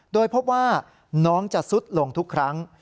โดยพบว่าน้องจะซุดลงทุกครั้ง